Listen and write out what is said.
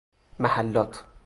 محلات